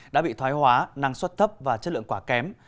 đã bị thoái hóa năng suất thấp và chất lượng quả kém